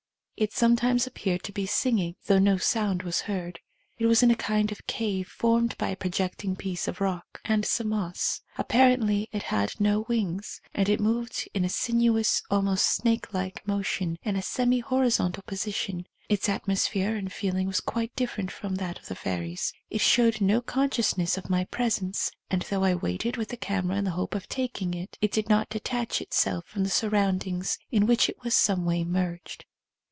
It sometimes appeared to be singing, though no sound was heard. It was in a kind of cave, formed by a projecting piece of rock 109 THE COMING OF THE FAIRIES and some moss. Apparently it had no wings, and it moved with a sinuous, almost snake like motion, in a semi horizontal position. Its atmosphere and feeling was quite di:fferent from that of the fairies. It showed no con sciousness of my presence, and, though I waited with the camera in the hope of taking it, it did not detach itself from the surround ings in which it was in some way merged.